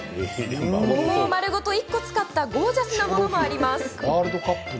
桃を丸ごと１個使ったゴージャスなものもあります。